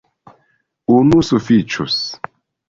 Unu sufiĉus.